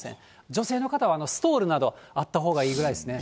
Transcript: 女性の方はストールなど、あったほうがいいぐらいですね。